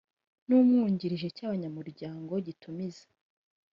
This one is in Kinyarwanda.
n umwungirije cy abanyamuryango gitumiza